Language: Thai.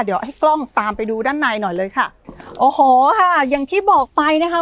เดี๋ยวให้กล้องตามไปดูด้านในหน่อยเลยค่ะโอ้โหค่ะอย่างที่บอกไปนะคะ